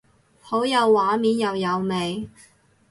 好有畫面又有味